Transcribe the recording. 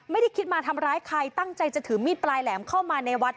ไม่ได้คิดมาทำร้ายใครตั้งใจจะถือมีดปลายแหลมเข้ามาในวัด